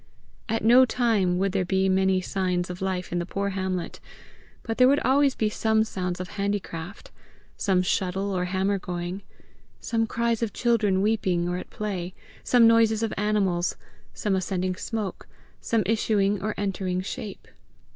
At no time would there be many signs of life in the poor hamlet, but there would always be some sounds of handicraft, some shuttle or hammer going, some cries of children weeping or at play, some noises of animals, some ascending smoke, some issuing or entering shape!